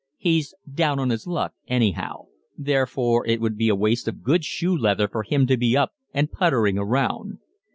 He's down on his luck anyhow, therefore it would be a waste of good shoe leather for him to be up and puttering around.